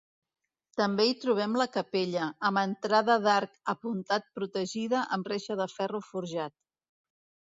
També hi trobem la capella, amb entrada d’arc apuntat protegida amb reixa de ferro forjat.